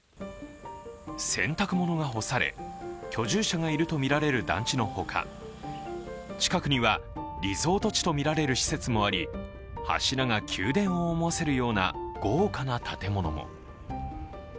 洗濯物が干され、居住者がいるとみられる団地のほか近くにはリゾート地とみられる施設もあり柱が宮殿を思わせるような豪華な建物も。